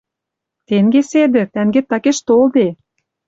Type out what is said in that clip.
«Тенге седӹ, тӓнгет такеш толде.